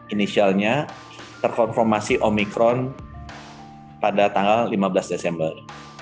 inisialnya terkonformasi omikron pada tanggal lima belas desember